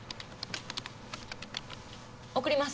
送ります。